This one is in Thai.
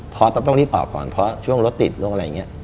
เพราะต้องรีบออกก่อนเพราะช่วงรถติดลงอะไรอย่างนี้